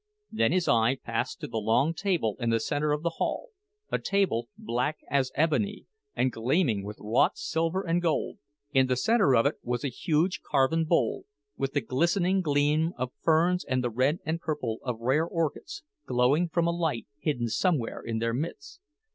Then his eye passed to the long table in the center of the hall, a table black as ebony, and gleaming with wrought silver and gold. In the center of it was a huge carven bowl, with the glistening gleam of ferns and the red and purple of rare orchids, glowing from a light hidden somewhere in their midst.